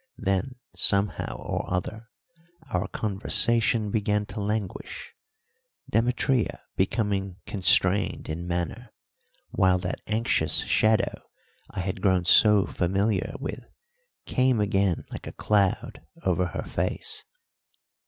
Then somehow or other our conversation began to languish, Demetria becoming constrained in manner, while that anxious shadow I had grown so familiar with came again like a cloud over her face.